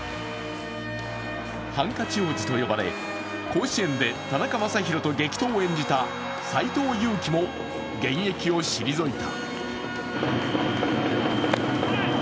ハンカチ王子と呼ばれ、甲子園で田中将大と激闘を演じた斎藤佑樹も現役を退いた。